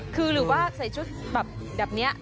ก็คือหรือว่าใส่ชุดแบบแบบเนี้ย